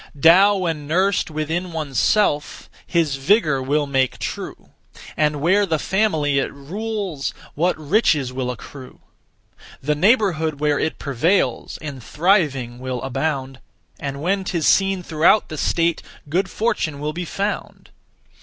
Tao when nursed within one's self, His vigour will make true; And where the family it rules What riches will accrue! The neighbourhood where it prevails In thriving will abound; And when 'tis seen throughout the state, Good fortune will be found.